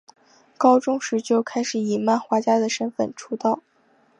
高中时就开始以漫画家的身份出道。